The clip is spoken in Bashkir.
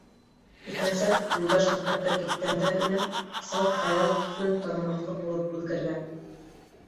Иртәнсәк Юлдаш мәктәпкә киткәндә генә салт аяҙ көн танымаҫлыҡ булып үҙгәргән.